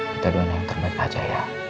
kita doanya yang terbaik aja ya